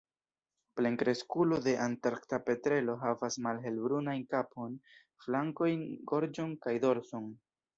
Plenkreskulo de Antarkta petrelo havas malhelbrunajn kapon, flankojn, gorĝon kaj dorson.